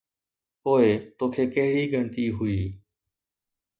پوءِ توکي ڪهڙي ڳڻتي هئي؟